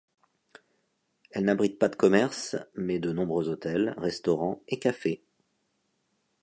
Elle n'abrite pas de commerces, mais de nombreux hôtels, restaurants et cafés.